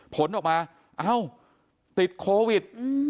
ผลออกมาเอ้าติดโควิด